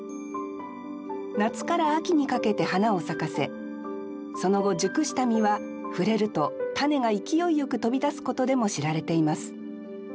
夏から秋にかけて花を咲かせその後熟した実は触れると種が勢いよく飛び出すことでも知られています